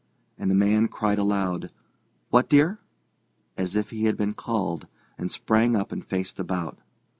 And the man cried aloud: "What, dear?" as if he had been called, and sprang up and faced about.